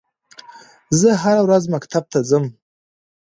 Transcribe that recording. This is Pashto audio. زه هره ورځ مکتب ته ځم